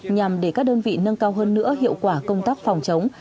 nhằm để các đơn vị nâng cao hơn nữa hiệu quả công tác phòng chống